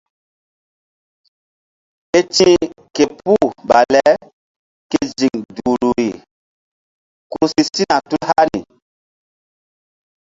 Ke ti̧h ke puh baleke ziŋ duhruri ku si sina tul hani.